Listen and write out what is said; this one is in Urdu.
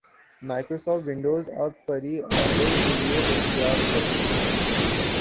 مائیکروسافٹ ونڈوز اب پری آرڈر کے لیے دستیاب ہے